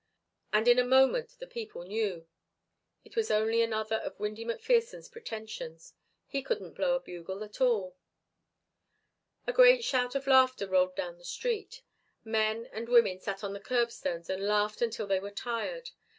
And in a moment the people knew. It was only another of Windy McPherson's pretensions. He couldn't blow a bugle at all. A great shout of laughter rolled down the street. Men and women sat on the curbstones and laughed until they were tired.